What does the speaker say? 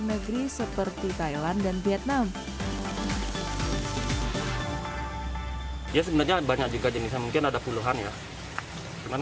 negeri seperti thailand dan vietnam ya sebenarnya banyak juga jenisnya mungkin ada puluhan ya cuman